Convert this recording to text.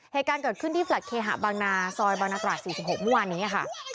เหตุการเกิดขึ้นที่ฟลาสเคหาบางนาซอยบางนาตราสี่สิบหกมวันนี้ค่ะ